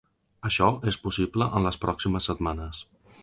Això és possible en les pròximes setmanes.